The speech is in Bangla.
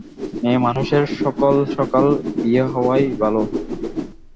মেয়েমানুষের সকাল-সকাল বিয়ে হওয়াই ভালো।